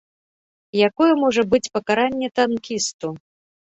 Якое можа быць пакаранне танкісту?